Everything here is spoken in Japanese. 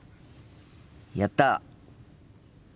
やった！